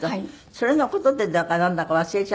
それの事でだかなんだか忘れちゃったんですけど